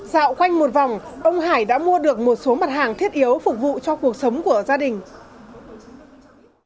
dạo quanh một vòng ông hải đã mua được một số mặt hàng thiết yếu phục vụ cho cuộc sống của gia đình